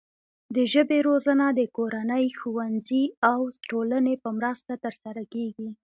د ژبې روزنه د کورنۍ، ښوونځي او ټولنې په مرسته ترسره کیږي.